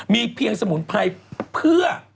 มีเพียงสมุนไพรเพื่อ